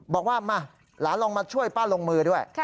บอกว่ามาหลานลองมาช่วยป้าลงมือด้วย